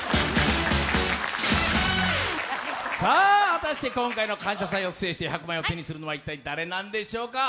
果たして今回の「感謝祭」を制して１００万円を手にするのは一体誰なんでしょうか。